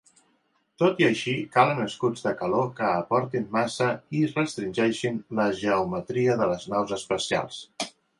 Tot i així, calen escuts de calor que aportin massa i restringeixen la geometria de les naus espacials.